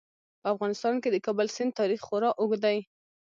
په افغانستان کې د کابل سیند تاریخ خورا اوږد دی.